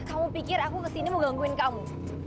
kamu pikir aku ke sini mau gangguin kamu